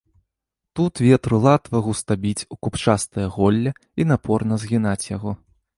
Тут ветру латва густа біць у купчастае голле і напорна згінаць яго.